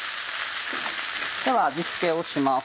では味付けをします。